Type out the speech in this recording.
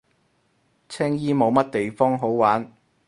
青衣冇乜地方好玩